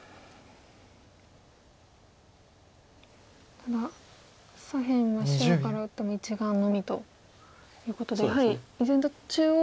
ただ左辺は白から打っても１眼のみということでやはり依然と中央で何か。